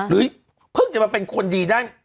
เพิ่งจะมาเป็นคนดีได้